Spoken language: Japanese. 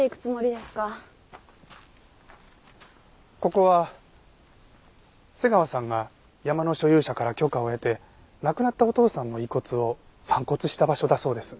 ここは瀬川さんが山の所有者から許可を得て亡くなったお父さんの遺骨を散骨した場所だそうです。